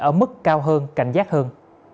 ở mức cao hơn cảnh giác hơn